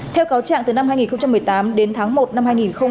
theo cáo trạng từ năm hai nghìn một mươi tám đến tháng một năm hai nghìn hai mươi